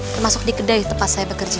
termasuk di kedai tempat saya bekerja